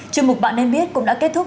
chương mục bạn nên biết cũng đã kết thúc